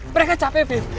mereka capek fit